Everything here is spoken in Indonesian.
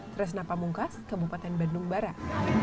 tresna pamungkas kabupaten bandung barat